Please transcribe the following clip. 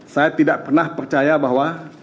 saya tidak pernah percaya bahwa